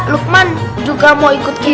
luqman juga mau ikut kita